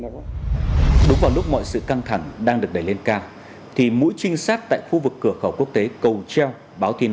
rất nhiều cái phương án